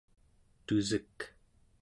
tusek